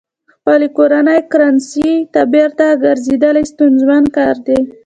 خپلې کورنۍ کرنسۍ ته بېرته ګرځېدل ستونزمن کار دی.